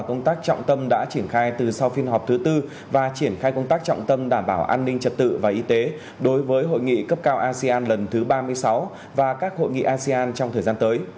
các trọng tâm đã triển khai từ sau phiên họp thứ tư và triển khai công tác trọng tâm đảm bảo an ninh trật tự và y tế đối với hội nghị cấp cao asean lần thứ ba mươi sáu và các hội nghị asean trong thời gian tới